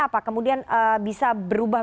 apa kemudian bisa berubah